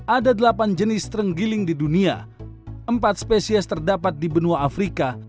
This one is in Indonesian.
ada delapan jenis terenggiling di dunia empat spesies terdapat di benua afrika